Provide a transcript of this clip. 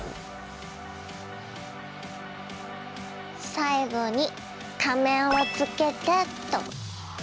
最後に仮面をつけてと。